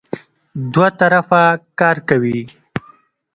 دوه طرفه کار کوي.